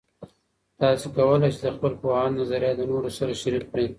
تاسې کولای سئ د خپل پوهاند نظریات د نورو سره شریک کړئ.